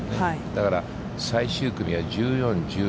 だから、最終組は、１４、１３、１２。